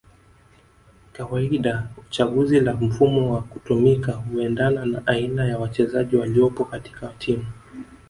kawaida chaguzi la mfumo wa kutumika huendana na aina ya wachezaji waliopo katika timu